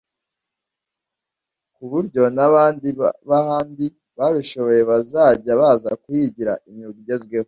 ku buryo n’abandi bahandi babishoboye bazajya baza kuhigira imyuga igezweho